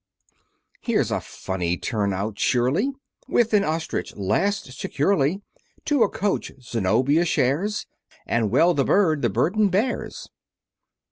Here's a funny turnout, surely, With an Ostrich lashed securely To a coach, Zenobia shares! And well the bird the burden bears!